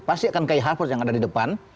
pasti akan kayak hafaz yang ada di depan